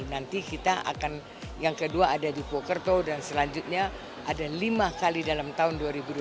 nanti kita akan yang kedua ada di pukerto dan selanjutnya ada lima kali dalam tahun dua ribu dua puluh